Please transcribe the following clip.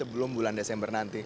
tapi belum bulan desember nanti